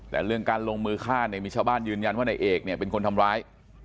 แต่เรื่องการลงมือฆ่าเนี่ยมีชาวบ้านยืนยันว่านายเอกเนี่ยเป็นคนทำร้าย